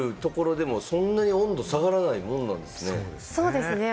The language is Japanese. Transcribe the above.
雨降るところでもそんなに温度、下がらないもんなんですね。